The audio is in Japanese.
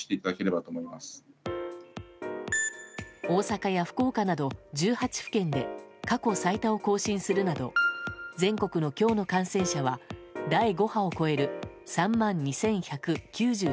大阪や福岡など１８府県で過去最多を更新するなど全国の今日の感染者は第５波を超える３万２１９７人。